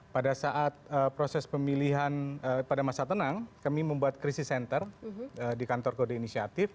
pada saat proses pemilihan pada masa tenang kami membuat krisis center di kantor kode inisiatif